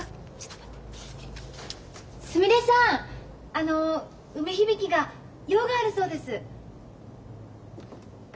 あの梅響が用があるそうです。